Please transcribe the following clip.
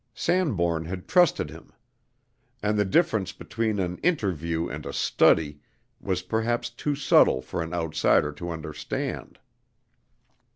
Sanbourne had trusted him. And the difference between an "interview" and a "study" was perhaps too subtle for an outsider to understand.